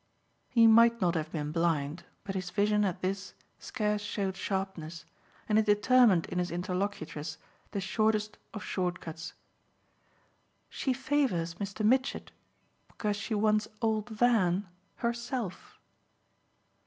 He might not have been blind, but his vision, at this, scarce showed sharpness, and it determined in his interlocutress the shortest of short cuts. "She favours Mr. Mitchett because she wants 'old Van' herself."